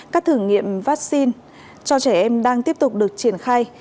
các thử nghiệm vaccine cho trẻ em đang tiếp tục được triển khai